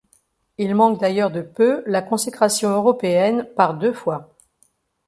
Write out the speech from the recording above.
Ils manquent d'ailleurs de peu la consécration européenne par deux fois.